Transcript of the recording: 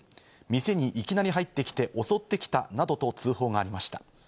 店にいきなり入ってきて、襲ってきたなどと通報がありました。